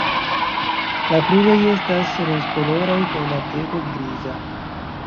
La kruroj estas rozkoloraj kaj la beko griza.